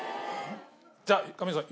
じゃあ亀井さん